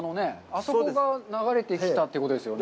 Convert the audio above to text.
あそこが流れてきたということですよね。